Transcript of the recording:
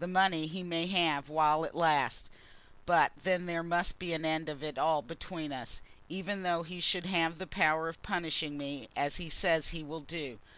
The money he may have while it lasts; but then there must be an end of it all between us, even though he should have the power of punishing me, as he says he will do.